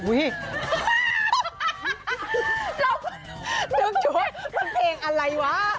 อุ๊ยเรานึกชัวร์มันเพลงอะไรวะ